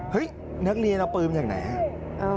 นักเรียนเอาปืนมาจากไหนฮะ